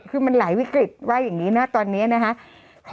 คือมันหลายวิกฤตว่าอย่างนี้นะตอนนี้นะคะ